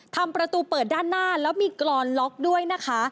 ทำประตูเปิดด้านหน้าแล้วมีกรอนล็อกด้วยนะคะ